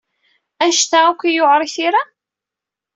Anect-a akk ay yewɛeṛ i tira?